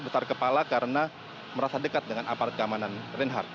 sebesar kepala karena merasa dekat dengan apart keamanan reinhardt